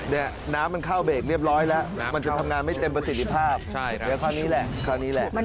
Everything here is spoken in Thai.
แถมนามันเข้าเบรกเรียบร้อยแล้วแล้วมันจะทำงานไม่เต็มประสิทธิภาพใช่พอสินี้แหละพอ